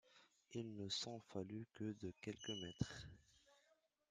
Il ne s'en fallut que de quelques mètres.